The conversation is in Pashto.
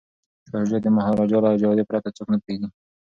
شاه شجاع د مهاراجا له اجازې پرته څوک نه پریږدي.